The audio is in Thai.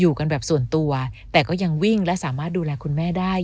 กันแบบส่วนตัวแต่ก็ยังวิ่งและสามารถดูแลคุณแม่ได้